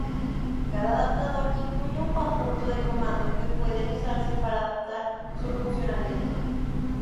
Cada adaptador incluye un conjunto de comando que pueden usarse para adaptar su funcionamiento.